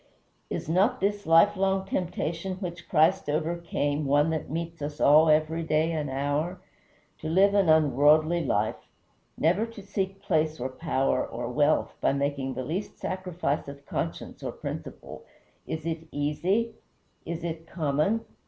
Is not this lifelong temptation which Christ overcame one that meets us all every day and hour? To live an unworldly life; never to seek place or power or wealth by making the least sacrifice of conscience or principle; is it easy? is it common?